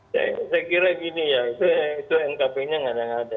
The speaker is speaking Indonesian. saya kira gini ya itu mkp nya nggak ada nggak ada